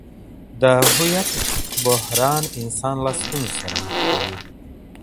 د هويت بحران انسان له ستونزو سره مخ کوي.